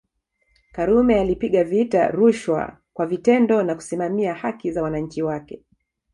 Karume alipiga vita rushwa kwa vitendo na kusimamia haki za wananchi wake